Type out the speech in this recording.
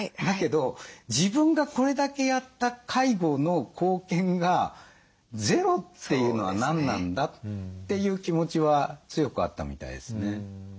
だけど「自分がこれだけやった介護の貢献がゼロっていうのは何なんだ」という気持ちは強くあったみたいですね。